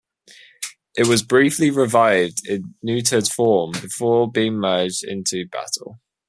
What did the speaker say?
It was briefly revived in neutered form before being merged into "Battle".